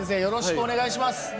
よろしくお願いします。